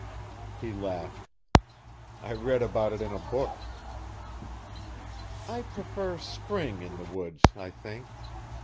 He laughed. "I read about it in a book." "I prefer spring in the woods, I think.